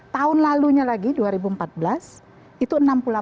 tahun lalunya lagi dua ribu empat belas itu enam puluh delapan